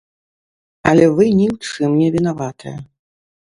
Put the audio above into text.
Але вы ні ў чым не вінаватыя.